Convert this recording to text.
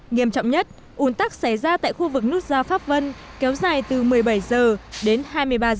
nghiêm trọng nhất un tắc xảy ra tại khu vực nút giao pháp vân kéo dài từ một mươi bảy h đến hai mươi ba h